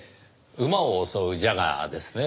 『馬を襲うジャガー』ですねぇ。